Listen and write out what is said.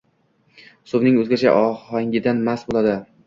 Suvining oʻzgacha ohangidan mast boʻladi.